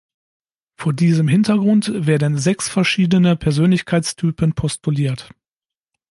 Vor diesem Hintergrund werden sechs verschiedene Persönlichkeitstypen postuliert.